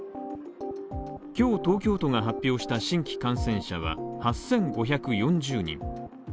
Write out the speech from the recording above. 今日、東京都が発表した新規感染者は８５４０人。